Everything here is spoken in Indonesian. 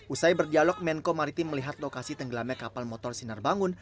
usai berdialog menko maritim melihat lokasi tenggelamnya kapal motor sinar bangun